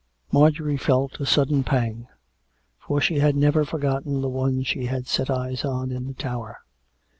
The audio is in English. Mar j orie felt a sudden pang ; for she had never forgotten the one she had set eyes on in the Tower.